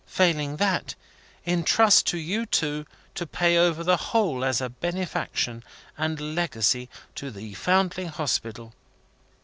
Failing that, in trust to you two to pay over the whole as a benefaction and legacy to the Foundling Hospital."